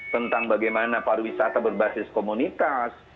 tentang bagaimana pariwisata berbasis komunitas